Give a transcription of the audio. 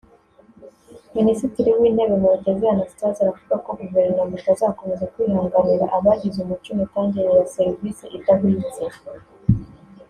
Minisitiri w’Intebe Murekezi Anastase aravuga ko Guverinoma itazakomeza kwihanganira abagize umuco imitangire ya serivisi idahwitse